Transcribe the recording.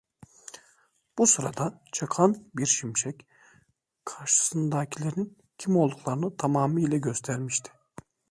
Bu sırada çakan bir şimşek karşısındakilerin kim olduklarını tamamiyle göstermişti.